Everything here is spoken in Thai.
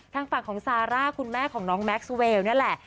ทางฝั่งของซาร่าคุณแม่ของน้องแม็กซูเวลนี่แหละ